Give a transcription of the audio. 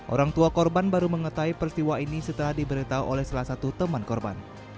orang tua korban baru mengetahui peristiwa ini setelah diberitahu oleh salah satu teman korban